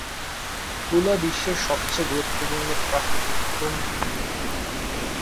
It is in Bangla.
তুলা বিশ্বের সবচেয়ে গুরুত্বপূর্ণ প্রাকৃতিক তন্তু।